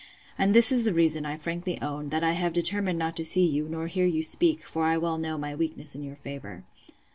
And this is the reason, I frankly own, that I have determined not to see you, nor hear you speak; for well I know my weakness in your favour.